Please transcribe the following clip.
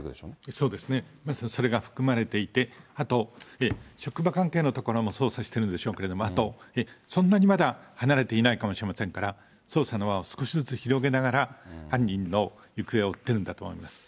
そうですね、まさにそれが含まれていて、あと、職場関係の所も捜査してるんでしょうけれども、そんなにまだ離れていないかもしれませんから、捜査の輪を少しずつ広げながら、犯人の行方を追ってるんだと思うんです。